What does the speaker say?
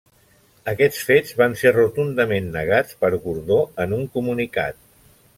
Aquests fets van ser rotundament negats per Gordó en un comunicat.